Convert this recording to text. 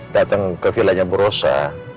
dateng ke vilanya bu rosa